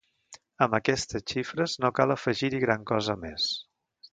Amb aquestes xifres, no cal afegir-hi gran cosa més.